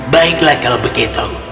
baiklah kalau begitu